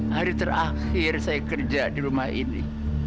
hari terakhir saya kerja di rumah ini